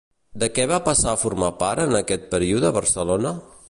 De què va passar a formar part en aquest període Barcelona?